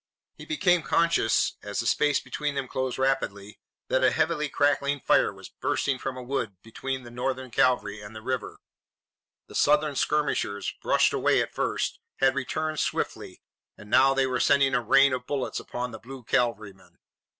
He became conscious, as the space between them closed rapidly, that a heavy crackling fire was bursting from a wood between the Northern cavalry and the river. The Southern skirmishers, brushed away at first, had returned swiftly, and now they were sending a rain of bullets upon the blue cavalrymen.